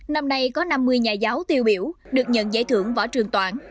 năm nay có năm mươi nhà giáo tiêu biểu được nhận giải thưởng võ trường toản